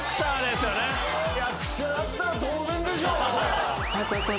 役者だったら当然でしょう。